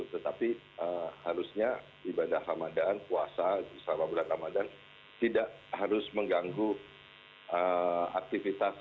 tetapi harusnya ibadah ramadan puasa selama bulan ramadan tidak harus mengganggu aktivitas